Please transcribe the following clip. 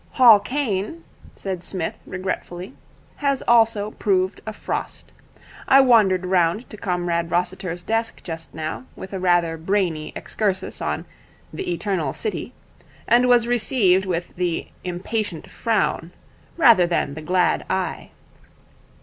'Hall Caine,' said Psmith regretfully, 'has also proved a frost. I wandered round to Comrade Rossiter's desk just now with a rather brainy excursus on "The Eternal City", and was received with the Impatient Frown rather than the Glad Eye.